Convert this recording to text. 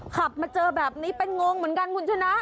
ขับมาเจอแบบนี้เป็นงงเหมือนกันคุณชนะ